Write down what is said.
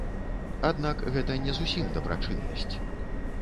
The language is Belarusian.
Аднак гэта не зусім дабрачыннасць.